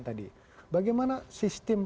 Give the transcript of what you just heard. tadi bagaimana sistem